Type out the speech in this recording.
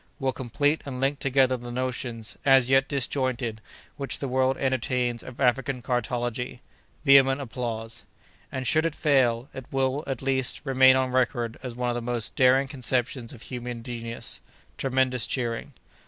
"will complete and link together the notions, as yet disjointed, which the world entertains of African cartology" (vehement applause); "and, should it fail, it will, at least, remain on record as one of the most daring conceptions of human genius!" (Tremendous cheering.)